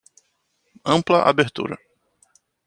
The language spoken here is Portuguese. Ampla abertura